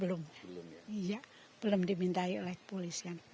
belum dimintai oleh polis